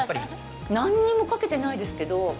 何にもかけてないですけど。